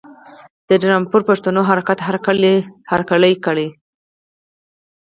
د رامپور پښتنو حرکت هرکلی کړی.